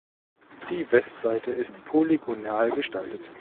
Die Westseite ist polygonal gestaltet.